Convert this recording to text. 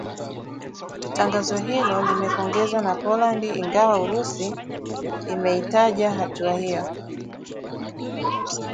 Tangazo hilo limepongezwa na Poland ingawa Urusi imeitaja hatua hiyo